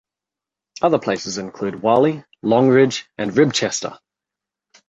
Other places include Whalley, Longridge and Ribchester.